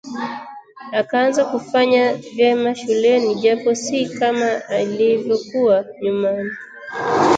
Akaanza kufanya vyema shuleni japo si kama ilivyokuwa nyumani